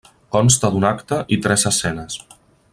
Consta d'un acte i tres escenes.